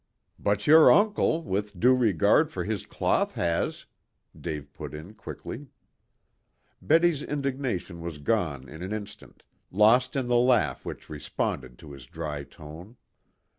"But your uncle, with due regard for his cloth, has," Dave put in quickly. Betty's indignation was gone in an instant, lost in the laugh which responded to his dry tone.